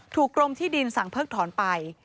กรมที่ดินสั่งเพิกถอนไป